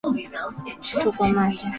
Kutokwa mate